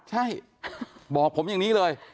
ใช่บอกผมอย่างนี้เลย